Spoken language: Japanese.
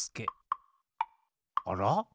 あら？